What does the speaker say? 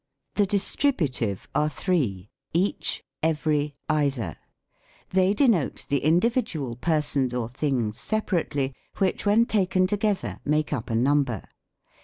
'The distributive are thi*ee ; each, every, either; they denote the individual persons or things separately, which, when taken together, make up a number.